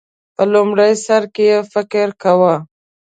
په لومړی سر کې یې فکر کاوه